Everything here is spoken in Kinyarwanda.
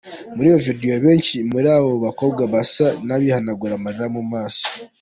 Muri iyo video benshi muri abo bakobwa basa n'abihanagura amarira mu maso.